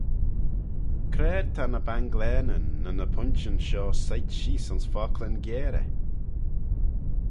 C'raad ta ny banglaneyn ny ny pointyn shoh soit sheese ayns focklyn giarey?